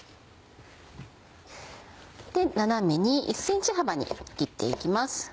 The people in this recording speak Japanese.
斜めに１ｃｍ幅に切って行きます。